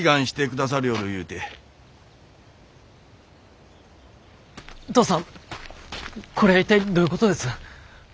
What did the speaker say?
父さんこれは一体どういうことです？